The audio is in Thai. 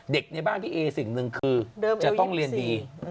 ในบ้านพี่เอสิ่งหนึ่งคือจะต้องเรียนดี